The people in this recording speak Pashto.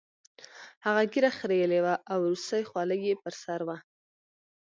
هغه ږیره خریلې وه او روسۍ خولۍ یې په سر وه